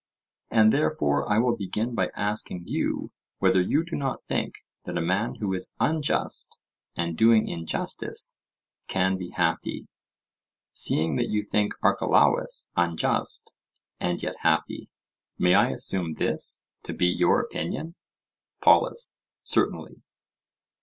And therefore I will begin by asking you whether you do not think that a man who is unjust and doing injustice can be happy, seeing that you think Archelaus unjust, and yet happy? May I assume this to be your opinion? POLUS: Certainly.